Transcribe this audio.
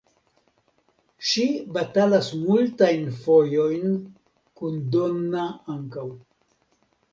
Ŝi batalas multajn fojojn kun Donna ankaŭ.